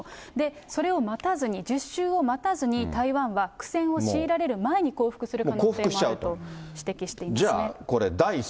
それを待たずに、１０週を待たずに、台湾は苦戦を強いられる前に降伏する可能性もあると指摘していますね。